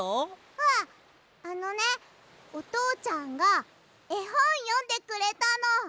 あっあのねおとうちゃんがえほんよんでくれたの。